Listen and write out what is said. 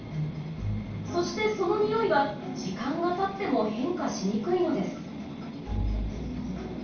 そしてそのニオイは時間がたっても変化しにくいのです。